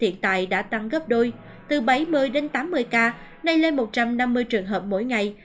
hiện tại đã tăng gấp đôi từ bảy mươi đến tám mươi ca nay lên một trăm năm mươi trường hợp mỗi ngày